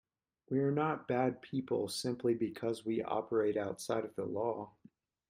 We are not bad people simply because we operate outside of the law.